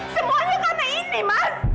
semuanya karena ini mas